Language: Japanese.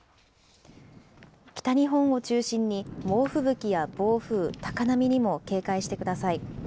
北日本を中心に猛吹雪や暴風、高波にも警戒してください。